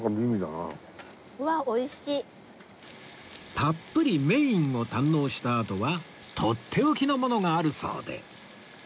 たっぷりメインを堪能したあとはとっておきのものがあるそうで